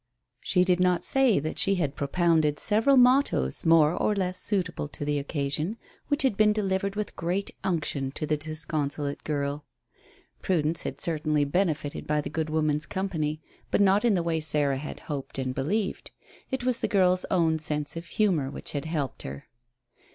She did not say that she had propounded several mottos more or less suitable to the occasion, which had been delivered with great unction to the disconsolate girl. Prudence had certainly benefited by the good woman's company, but not in the way Sarah had hoped and believed. It was the girl's own sense of humour which had helped her.